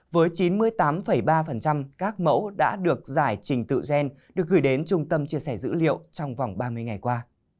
với chín mươi tám ba các mẫu đã được giải trình tự gen được gửi đến trung tâm chia sẻ dữ liệu trong vòng ba mươi ngày qua